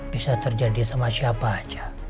bisa terjadi sama siapa aja